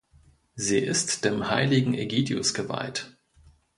Sie ist dem Heiligen Ägidius geweiht.